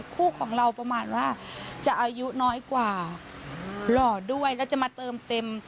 คู่ของเราประมาณว่าจะอายุน้อยกว่าหล่อด้วยแล้วจะมาเติมเต็ม